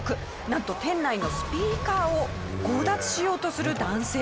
なんと店内のスピーカーを強奪しようとする男性。